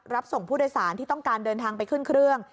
รับส่งผู้โดยสารที่ต้องการเดินทางไปขึ้นเครื่อง